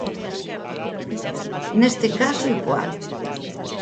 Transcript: Neste caso igual.